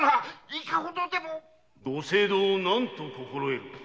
ご政道を何と心得る！